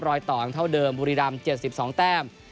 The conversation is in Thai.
รอยต่อกันเท่าเดิมบุรีรำ๗๒แต้ม